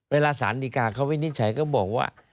เวลาสารดีกาเขาวินิจฉัยก็บอกว่า